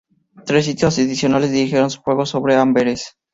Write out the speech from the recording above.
Tres sitios adicionales dirigieron su fuego sobre Amberes.